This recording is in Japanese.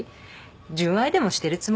純愛でもしてるつもり？